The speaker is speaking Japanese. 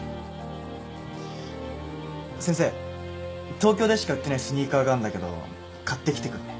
東京でしか売ってないスニーカーがあんだけど買ってきてくんね？